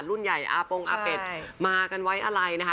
รุ่นใหญ่อาปงอาเป็ดมากันไว้อะไรนะคะ